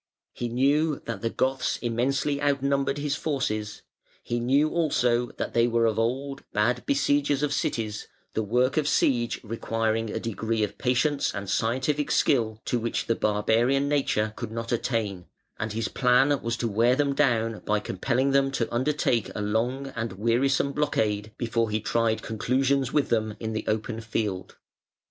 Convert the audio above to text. He knew that the Goths immensely outnumbered his forces; he knew also that they were of old bad besiegers of cities, the work of siege requiring a degree of patience and scientific skill to which the barbarian nature could not attain; and his plan was to wear them down by compelling them to undertake a long and wearisome blockade before he tried conclusions with them in the open field.